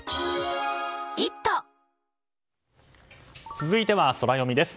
続いてはソラよみです。